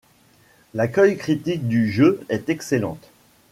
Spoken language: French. L’accueil critique du jeu est excellent.